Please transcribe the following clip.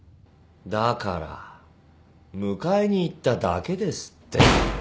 だから迎えに行っただけですって。